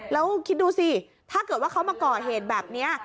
แล้วคิดดูสิถ้าเกิดว่าเขามาก่อเหตุแบบนี้